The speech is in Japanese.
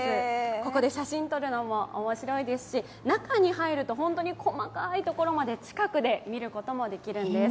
ここで写真を撮るのも面白いですし中に入ると本当に細かいところまで近くで見ることもできるんです。